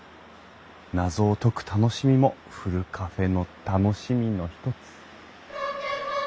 謎を解く楽しみもふるカフェの楽しみの一つ。